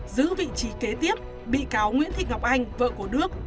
giữ vị trí kế tiếp bị cáo nguyễn thị ngọc anh vợ của đức